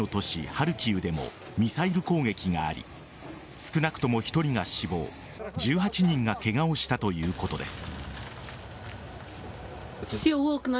ハルキウでもミサイル攻撃があり少なくとも１人が死亡１８人がケガをしたということです。